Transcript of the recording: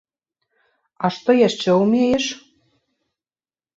А што яшчэ ўмееш?